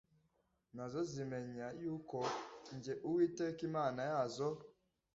Na zo zizamenya yuko jye, Uwiteka Imana yazo,